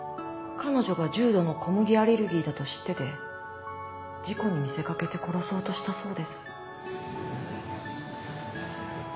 彼女が重度の小麦アレルギーだと知ってて事故に見せ掛けて殺そうとしたそうです。